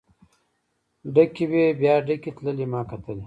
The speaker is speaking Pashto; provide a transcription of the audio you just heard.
ډکې وې بیا ډکې تللې ما کتلی.